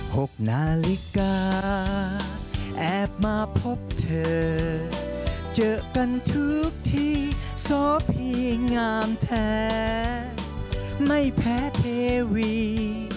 หกนาฬิกาแอบมาพบเธอเจอกันทุกทีสพีงามแท้ไม่แพ้เทวี